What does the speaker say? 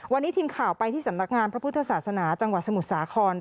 วันนี้ทีมข่าวไปที่สำนักงานพระพุทธศาสนาจังหวัดสมุทรสาคร